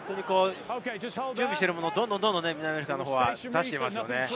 準備しているものをどんどん南アフリカは出していますね。